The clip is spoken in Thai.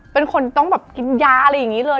เป็นคนต้องแบบกินยาอะไรอย่างนี้เลย